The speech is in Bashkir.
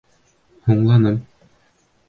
Һуңланың.